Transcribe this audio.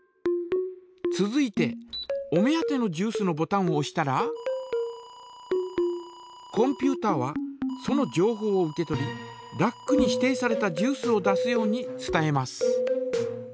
続いてお目当てのジュースのボタンをおしたらコンピュータはそのじょうほうを受け取りラックに指定されたジュースを出すように伝えます。